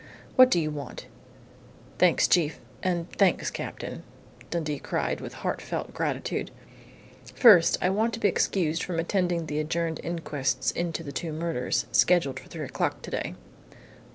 What do you want?" "Thanks, chief! And thanks, Captain!" Dundee cried, with heartfelt gratitude. "First, I want to be excused from attending the adjourned inquests into the two murders, scheduled for three o'clock today."